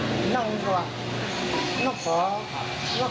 หนึ่งก็ว่า